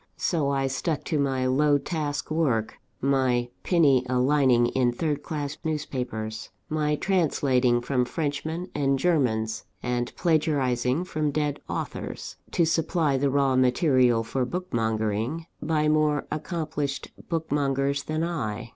So I stuck to my low task work; my penny a lining in third class newspapers; my translating from Frenchmen and Germans, and plagiarising from dead authors, to supply the raw material for bookmongering by more accomplished bookmongers than I.